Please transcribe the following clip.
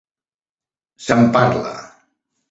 Se'n parla.